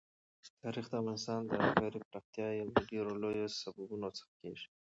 تاریخ د افغانستان د ښاري پراختیا یو له ډېرو لویو سببونو څخه کېږي.